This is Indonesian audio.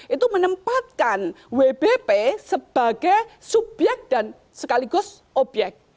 itu menempatkan wbp sebagai subyek dan sekaligus obyek